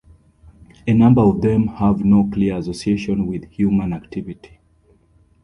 A number of them have no clear association with human activity.